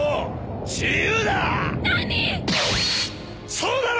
そうだろ！